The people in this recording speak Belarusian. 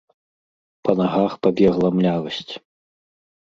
Па нагах пабегла млявасць.